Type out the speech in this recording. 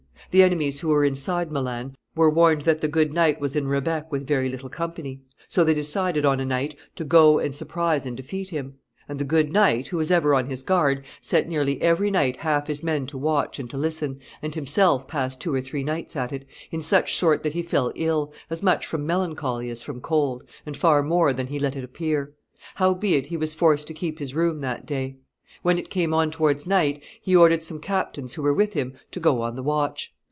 The enemies who were inside Milan were warned that the good knight was in Rebec with very little company; so they decided on a night to go and surprise and defeat him. And the good knight, who was ever on his guard, set nearly every night half his men to watch and to listen, and himself passed two or three nights at it, in such sort that he fell ill, as much from melancholy as from cold, and far more than he let it appear; howbeit he was forced to keep his room that day. When it came on towards night, he ordered some captains who were with him to go on the watch.